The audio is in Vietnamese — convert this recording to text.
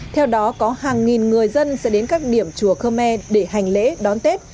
theo đó có hàng nghìn người dân sẽ đến các điểm chùa khmer để hành lễ đón tết